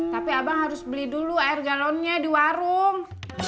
tapi abang harus beli dulu air galonnya di warung